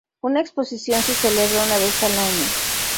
Una exposición se celebra una vez al año.